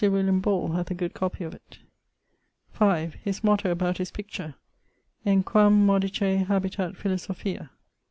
William Ball hath a good copie of it. His motto about his picture: En quam modicè habitat philosophia.